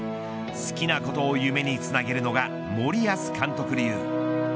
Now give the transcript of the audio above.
好きなことを夢につなげるのが森保監督流。